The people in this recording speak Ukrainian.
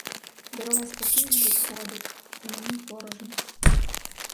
Дорога спокійно відходить, і на ній порожньо.